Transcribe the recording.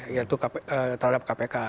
yaitu terhadap kpk